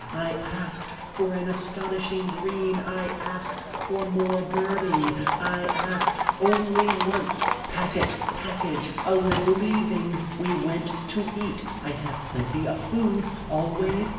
I asked for an astonishing green I asked for more Bertie. I asked only once. Pack it. Package. A little leaving. We went to eat. I have plenty of food. Always.